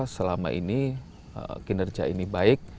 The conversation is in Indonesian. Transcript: selama kinerja ini baik